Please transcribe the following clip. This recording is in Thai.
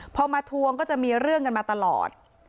พอมาทวงก็จะมีเรื่องกันมาตลอด